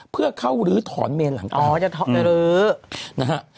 เพื่อเข้ารื้อถอนเมนหลังปาก